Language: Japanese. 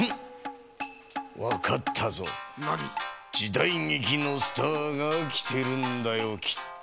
だいげきのスターがきてるんだよきっと。